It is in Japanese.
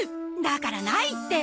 だからないって！